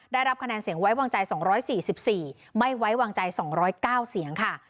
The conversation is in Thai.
ได้รับคะแนนเสียงไว้วางใจสองร้อยสี่สิบสี่ไม่ไว้วางใจสองร้อยเก้าเสียงค่ะ